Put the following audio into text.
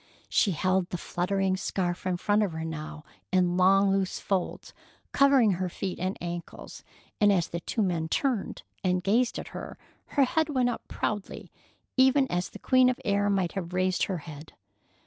She held the fluttering scarf in front of her now, in long loose folds covering her feet and ankles, and as the two men turned and gazed at her her head went up proudly, even as the queen of the air might have raised her head.